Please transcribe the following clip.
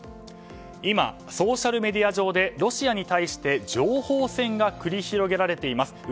今、ソーシャルメディア上でロシアに対して情報戦が繰り広げられています。